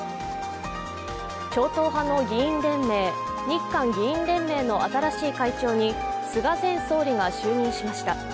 超党派の議員連盟、日韓議員連盟の新しい会長に菅前総理が就任しました。